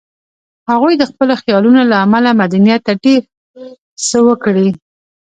هغوی د خپلو خیالونو له امله مدنیت ته ډېر څه ورکړي